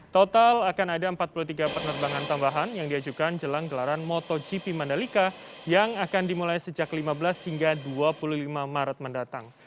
total akan ada empat puluh tiga penerbangan tambahan yang diajukan jelang gelaran motogp mandalika yang akan dimulai sejak lima belas hingga dua puluh lima maret mendatang